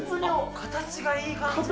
形がいい感じだ。